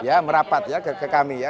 ya merapat ya ke kami ya